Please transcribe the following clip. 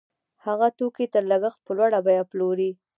هغه توکي تر لګښت په لوړه بیه پلوري